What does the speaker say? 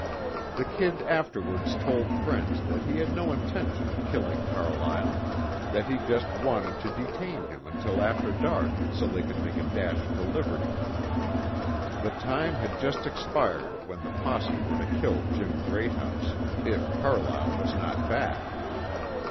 The "Kid" afterwards told friends that he had no intention of killing Carlyle, that he just wanted to detain him till after dark, so they could make a dash for liberty. The time had just expired when the posse were to kill Jim Greathouse, if Carlyle was not back.